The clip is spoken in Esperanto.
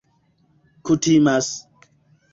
kutimas